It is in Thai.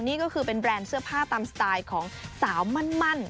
นี่ก็คือเป็นแบรนด์เสื้อผ้าตามสไตล์ของสาวมั่น